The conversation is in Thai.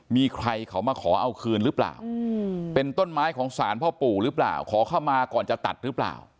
มีใครเขามาขอเอาคืนหรือเปล่าเป็นต้นไม้ของสารพ่อปู่หรือเปล่าขอเข้ามาก่อนจะตัดหรือเปล่า